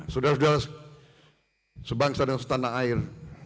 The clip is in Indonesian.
sudah sudah sebangsa dan setanah air